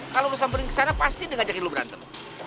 kalau lo samperin kesana pasti dia ngajakin lo berantem